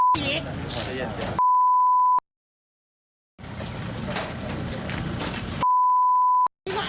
บิ๊บอีก